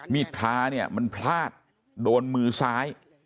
ดพระเนี่ยมันพลาดโดนมือซ้าย